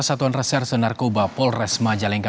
satuan reserse narkoba polres majalengka